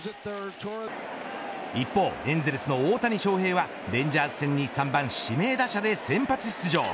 一方、エンゼルスの大谷翔平はレンジャーズ戦に３番指名打者で先発出場。